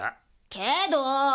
けど。